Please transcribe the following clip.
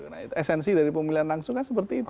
nah itu esensi dari pemilihan langsung kan seperti itu